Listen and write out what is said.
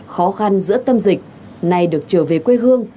khó khăn giữa tâm dịch nay được trở về quê hương